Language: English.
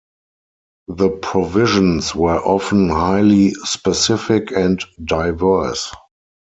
The provisions were often highly specific and diverse.